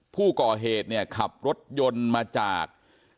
ผู้ก่อเหตุเนี่ยขับรถยนต์มาจาก